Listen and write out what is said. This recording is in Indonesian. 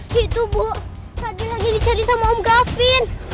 gitu bu tadi lagi dicari sama om gafin